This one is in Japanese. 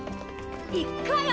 行くわよ